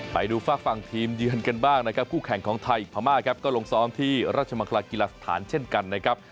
ไปดูฝากฝั่งทีมเยือนกันบ้างนะครับคู่แข่งของไทยพม่าครับก็ลงซ้อมที่ราชมังคลากีฬาสถานเช่นกันนะครับ